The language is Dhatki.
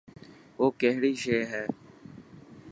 او ڪهڙي شي هي.